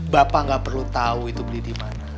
bapak nggak perlu tahu itu beli di mana